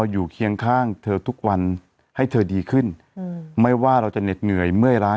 เคียงข้างเธอทุกวันให้เธอดีขึ้นไม่ว่าเราจะเหน็ดเหนื่อยเมื่อยร้าย